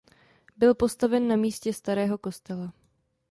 Byl postaven na místě starého kostela.